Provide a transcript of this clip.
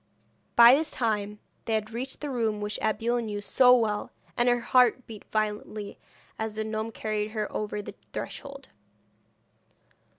By this time they had reached the room which Abeille knew so well, and her heart beat violently as the gnome carried her over the threshold.